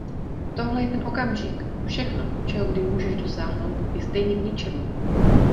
Tohle je ten okamžik! Všechno, čeho kdy můžeš dosáhnout, je stejně k ničemu!